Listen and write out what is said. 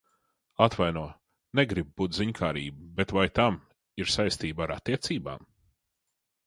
Atvaino, negribu būt ziņkārīga, bet vai tam ir saistība ar attiecībām?